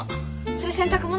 それ洗濯物？